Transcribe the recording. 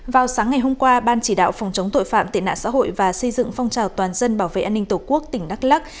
vào sáng ngày hôm qua ban chỉ đạo phòng chống tội phạm tệ nạn xã hội và xây dựng phong trào toàn dân bảo vệ an ninh tổ quốc tỉnh đắk lắc